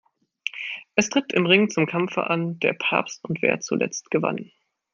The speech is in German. Es tritt im Ring zum Kampfe an: Der Papst und wer zuletzt gewann.